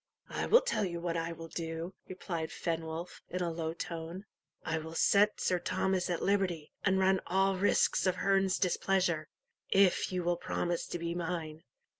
"I will tell you what I will do," replied Fenwolf, in a low tone; "I will set Sir Thomas at liberty, and run all risks of Herne's displeasure, if you will promise to be mine."